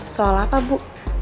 soal apa bu